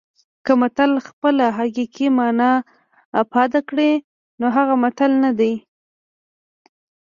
که متل خپله حقیقي مانا افاده کړي نو هغه متل نه دی